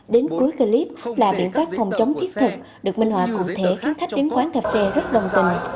đến cuối clip là biện pháp phòng chống thiết thực được minh họa cụ thể khiến khách đến quán cà phê rất đồng tình